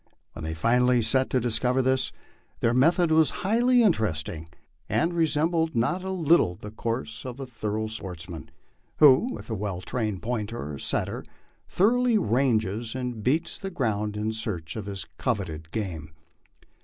When they finally set to discover this, their method was highly interesting, and resembled not a little the course of a thorough sportsman, who, with a well trained pointer or setter, thoroughly ranges " and beats " the ground in search of his coveted game.